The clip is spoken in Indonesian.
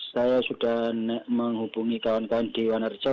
saya sudah menghubungi kawan kawan di wanarja